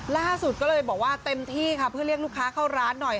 ล่าสุดก็เลยบอกว่าเต็มที่ค่ะเพื่อเรียกลูกค้าเข้าร้านหน่อย